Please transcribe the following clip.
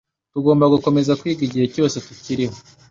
Tugomba gukomeza kwiga igihe cyose tukiriho.